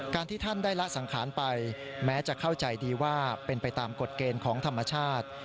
ที่ท่านได้ละสังขารไปแม้จะเข้าใจดีว่าเป็นไปตามกฎเกณฑ์ของธรรมชาติ